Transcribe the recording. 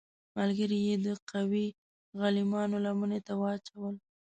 ملګري یې د قوي غلیمانو لمنې ته واچول.